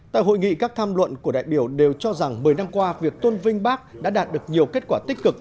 tại hội nghị các tham luận của đại biểu đều cho rằng một mươi năm qua việc tôn vinh bác đã đạt được nhiều kết quả tích cực